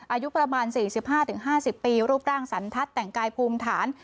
อายุประมาณ๔๕๕๐ปีรูปร่างสันทัศน์แต่งกายภูมิฐาน